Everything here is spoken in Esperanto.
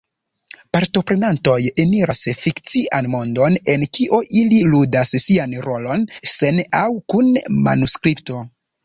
Partoprenantoj eniras fikcian mondon en kio ili ludas sian rolon, sen aŭ kun manuskripto.